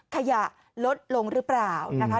ขยะลดลงหรือเปล่านะคะ